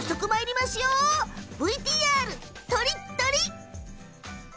ＶＴＲ、とりっとり！